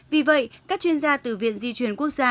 vì vậy các chuyên gia từ viện di chuyển quốc gia